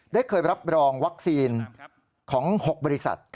เคยรับรองวัคซีนของ๖บริษัท